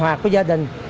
hoặc của gia đình